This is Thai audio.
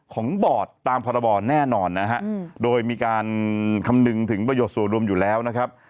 บอร์ดตามพรบแน่นอนนะฮะโดยมีการคำนึงถึงประโยชน์ส่วนรวมอยู่แล้วนะครับ